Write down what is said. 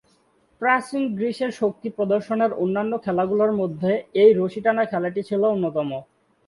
প্রাচীন গ্রীসের শক্তি প্রদর্শনের অন্যান্য খেলাগুলোর মধ্যে এই রশি টানা খেলাটি ছিল অন্যতম।